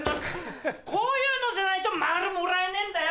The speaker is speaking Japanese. こういうのじゃないとマルもらえねえんだよ！